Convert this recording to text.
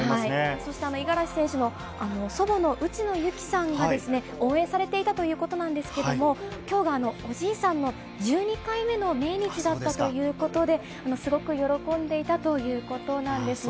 そして、五十嵐選手の祖母のうちのゆきさんが、応援されていたということなんですけども、きょうがおじいさんの１２回目の命日だったということで、すごく喜んでいたということなんですね。